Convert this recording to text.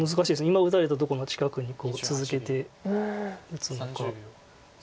今打たれたとこの近くに続けて打つのか。